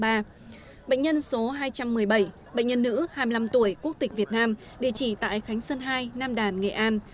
bệnh nhân số hai trăm một mươi bảy bệnh nhân nữ hai mươi năm tuổi quốc tịch việt nam địa chỉ tại khánh sơn hai nam đàn nghệ an